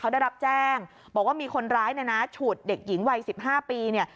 เขาได้รับแจ้งบอกว่ามีคนร้ายเนี่ยนะฉุดเด็กหญิงวัย๑๕ปีเนี่ย